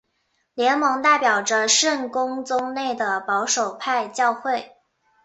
联盟代表着圣公宗内的保守派教会。